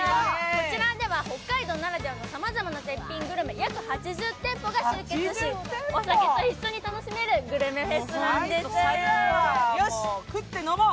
こちらでは北海道ならではのさまざまな絶品グルメ、約８０店舗が集結し、お酒と一緒に楽しめるよし、食ってのもう！